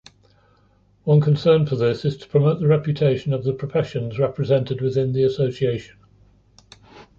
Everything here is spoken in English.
One concern for this is to promote the reputation of the professions represented within the association.